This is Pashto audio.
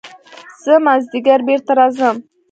زه مازديګر بېرته راځم.